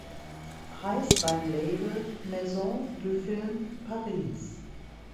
Preis beim Label Maison du Film Paris.